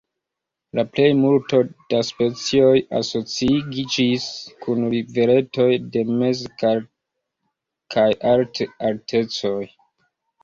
La plejmulto da specioj asociiĝis kun riveretoj de mez- kaj alt-altecoj.